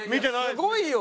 すごいよ！